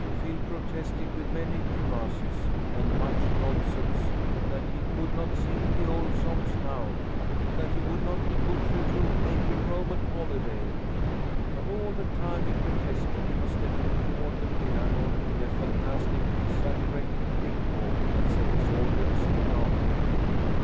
Phil protested with many grimaces and much nonsense that he "could not sing the old songs now." That he would not "be butchered to make a Roman holiday." But all the time he protested, he was stepping toward the piano in a fantastic exaggerated cake walk that set his audience to laughing.